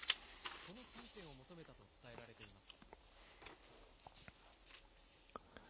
この３点を求めたと伝えられています。